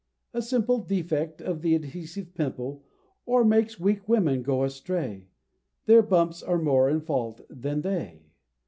a simple Defect of the Adhesive pimple: Or makes weak women go astray? Their bumps are more in fault than they.